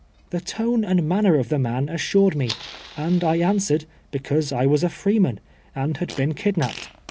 Tlie tone and manner of the man assured me, and I answered, be cause I was a freeman, and had been kidnapped.